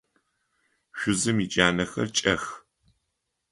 Шъузым иджанэхэр кӏэх.